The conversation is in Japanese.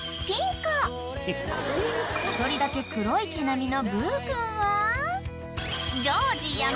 ［１人だけ黒い毛並みの］